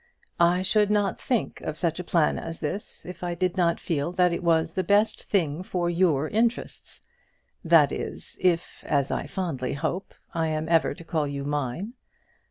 I should not think of such a plan as this if I did not feel that it was the best thing for your interests; that is, if, as I fondly hope, I am ever to call you mine.